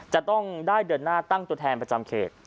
จะต้องได้เดินหน้าตั้งตัวแทนประจำเขต